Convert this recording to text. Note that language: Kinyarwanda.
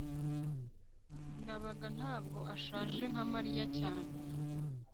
ndabaga ntabwo ashaje nka mariya cyane